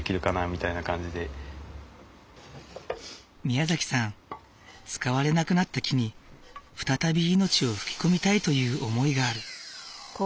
みやざきさん使われなくなった木に再び命を吹き込みたいという思いがある。